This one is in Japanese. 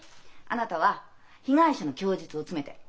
あなたは被害者の供述を詰めて！